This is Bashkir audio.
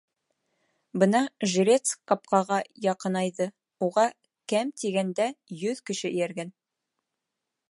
Бына жрец ҡапҡаға яҡынайҙы, уға кәм тигәндә йөҙ кеше эйәргән.